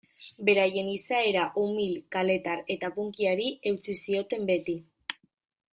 Beraien izaera umil, kaletar eta punkyari eutsi zioten beti.